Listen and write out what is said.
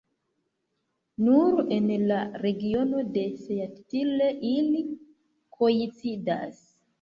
Nur en la regiono de Seattle ili koincidas.